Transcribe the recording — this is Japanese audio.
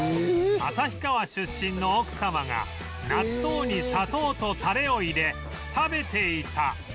旭川出身の奥様が納豆に砂糖とタレを入れ食べていた